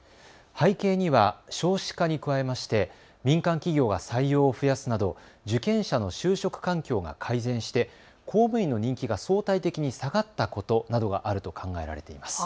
背景には少子化に加えまして民間企業が採用を増やすなど受験者の就職環境が改善して公務員の人気が相対的に下がったことなどがあると考えられています。